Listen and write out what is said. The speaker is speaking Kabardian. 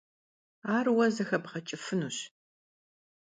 Ar vue zexebğeç'ıfınuş.